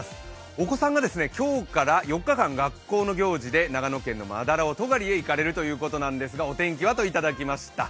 お子さんが今日から４日間、学校の行事で長野県の斑尾、戸張に行くようなんですが、お天気はといただきました。